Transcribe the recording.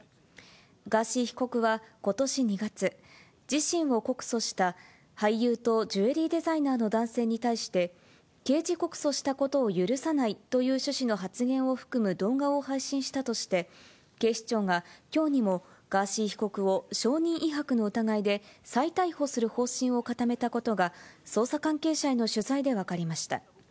ガーシー被告はことし２月、自身を告訴した俳優とジュエリーデザイナーの男性に対して、刑事告訴したことを許さないという趣旨の発言を含む動画を配信したとして、警視庁がきょうにも、ガーシー被告を証人威迫の疑いで、再逮捕する方針を固めたことが、捜査関係者への取材で分かりました。